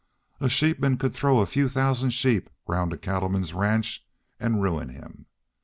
A sheepman could throw a few thousand sheep round a cattleman's ranch and ruin him.